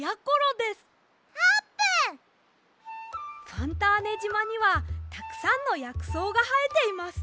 ファンターネじまにはたくさんのやくそうがはえています。